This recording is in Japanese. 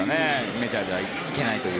メジャーには行けないという。